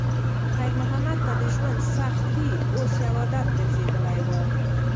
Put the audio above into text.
خیر محمد ته د ژوند سختۍ اوس یو عادت ګرځېدلی و.